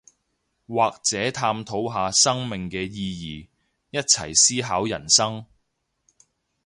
或者探討下生命嘅意義，一齊思考人生